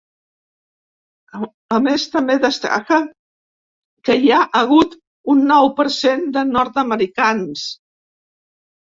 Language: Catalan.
A més, també destaca que hi ha hagut un nou per cent de nord-americans.